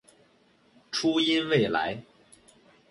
初音未来